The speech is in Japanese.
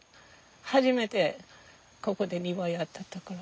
初めてここで庭やったところ。